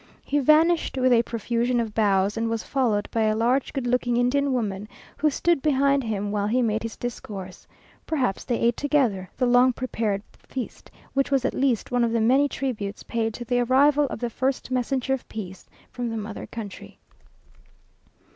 He vanished with a profusion of bows, and was followed by a large, good looking Indian woman, who stood behind him while he made his discourse. Perhaps they eat together the long prepared feast; which was at least one of the many tributes paid to the arrival of the first messenger of peace from the mother country.